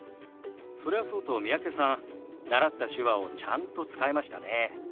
それはそうと三宅さん習った手話をちゃんと使えましたね。